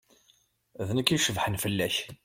D nekk i icebḥen fell-ak.